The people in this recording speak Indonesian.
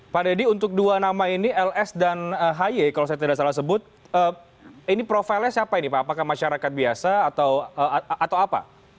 pak dedy untuk dua nama ini ls dan hy ini profilnya siapa ini pak apakah masyarakat biasa atau apa